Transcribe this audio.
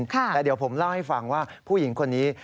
แต่เดี๋ยวผมเล่าให้ฟังว่าผู้หญิงคนนี้